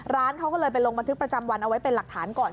ร้านเขาก็เลยไปลงบันทึกประจำวันเอาไว้เป็นหลักฐานก่อน